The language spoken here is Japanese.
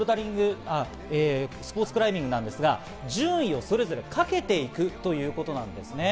スポーツクライミングですが、順位をそれぞれ掛けていくということなんですね。